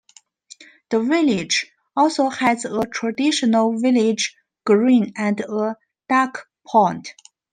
The village also has a traditional Village Green and a Duck Pond.